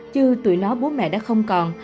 chứ tụi nó bố mẹ đã không còn